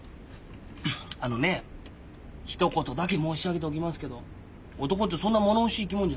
あのねひと言だけ申し上げておきますけど男ってそんなもの欲しい生き物じゃないんだよ。